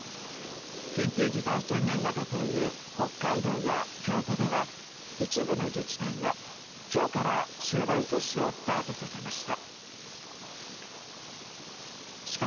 緊急事態宣言が出ている北海道や京都では一部の自治体が、今日から集団接種をスタートさせました。